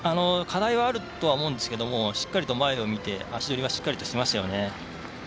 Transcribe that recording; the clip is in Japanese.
課題はあるとは思うんですけれどもしっかりと前を見て、足取りはしっかりしていましたよね。